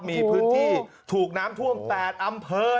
มีพื้นที่ถูกน้ำท่วม๘อำเภอ